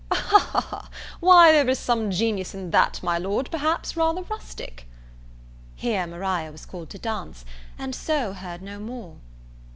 "Ha! ha! ha! why there is some genius in that, my Lord, perhaps rather rustic." Here Maria was called to dance, and so heard no more.